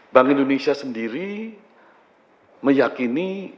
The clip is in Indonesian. bank indonesia sendiri meyakini